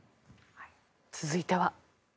続いては。